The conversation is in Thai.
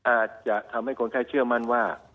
อาจจะทำให้คนไข้เชื่อมั่นว่า